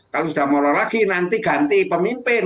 kalau sudah molor lagi nanti ganti pemimpin